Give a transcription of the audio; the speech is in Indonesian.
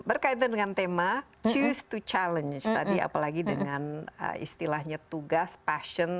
berkaitan dengan tema choose to challenge tadi apalagi dengan istilahnya tugas passion